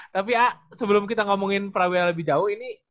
tapi aa sebelum kita ngomongin prawira lebih jauh ini